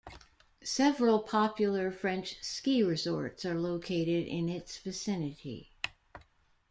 Several popular French ski resorts are located in its vicinity.